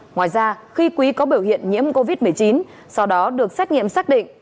ngoài ra khi quý có biểu hiện nhiễm covid một mươi chín sau đó được xét nghiệm xác định